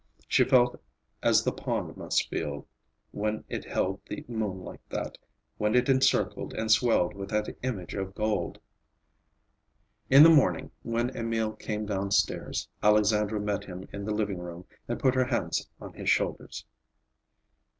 She felt as the pond must feel when it held the moon like that; when it encircled and swelled with that image of gold. In the morning, when Emil came down stairs, Alexandra met him in the sitting room and put her hands on his shoulders.